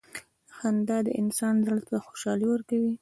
• خندا د انسان زړۀ ته خوشحالي ورکوي.